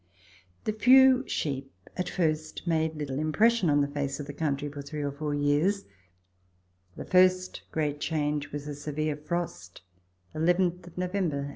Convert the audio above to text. The few sheep at first made little impression on the face of the country for three or four years ; the first great change was a severe frost, 1 1th November 1844